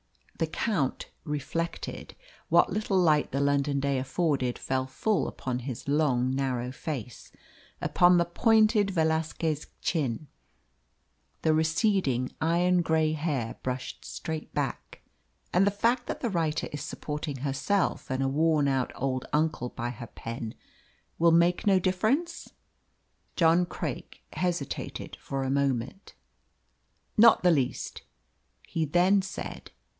The Count reflected. What little light the London day afforded fell full upon his long narrow face, upon the pointed Velasquez chin, the receding iron grey hair brushed straight back. "And the fact that the writer is supporting herself and a worn out old uncle by her pen will make no difference?" John Craik hesitated for a moment. "Not the least," he then said.